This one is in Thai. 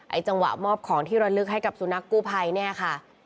จังหวะมอบของที่ระลึกให้กับสุนัขกู้ภัยเนี่ยค่ะ